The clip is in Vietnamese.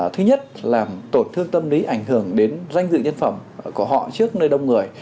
thứ nhất làm tổn thương tâm lý ảnh hưởng đến danh dự nhân phẩm của họ trước nơi đông người